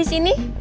kita pulang dulu